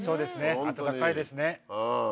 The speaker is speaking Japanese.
温かいですね。